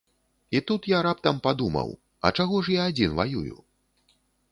І тут я раптам падумаў, а чаго ж я адзін ваюю?